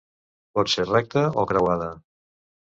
Pot ser recta o creuada.